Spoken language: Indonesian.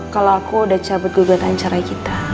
kalo aku udah cabut gugatan cerai kita